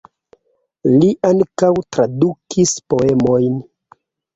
Li ankaŭ tradukis poemojn.